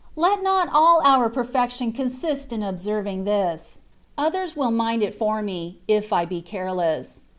Let not all our perfection consist in observing this : others will mind it for me, if I be careless.